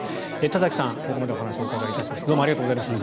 田崎さん、ここまでお話をお伺いしました。